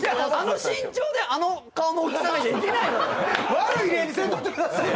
悪い例にせんとってくださいよ。